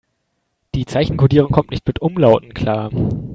Die Zeichenkodierung kommt nicht mit Umlauten klar.